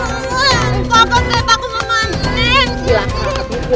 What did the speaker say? maka mantra mantra mau